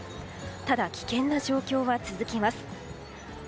ただ、危険な状況は続きます。